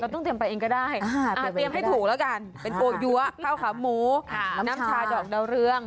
เตรียมให้ถูกแล้วกันเป็นโอยัวข้าวขาหมูน้ำชาดอกเดาเรือง